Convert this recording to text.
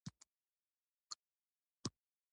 توپک توره شپه راولي.